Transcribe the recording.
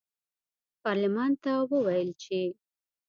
پارلمان ته وویل چې